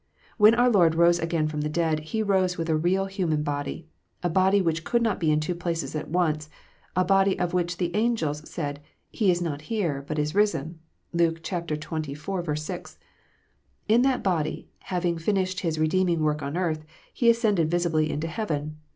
When our Lord rose again from the dead, He rose with a real human body, a body which could not be in two places at once, a body of which the angels said, " He is not here, but is risen." (Luke xxiv. 6.) In that body, having finished His redeeming work on earth, He ascended visibly into heaven.